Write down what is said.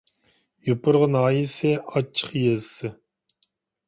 يوپۇرغا ناھىيەسى ئاچچىق يېزىسى